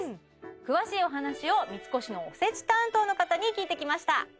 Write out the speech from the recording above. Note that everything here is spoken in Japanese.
詳しいお話を三越のおせち担当の方に聞いてきました